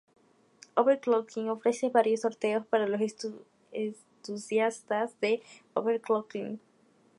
Overclocking ofrece varios sorteos para los entusiastas de overclocking.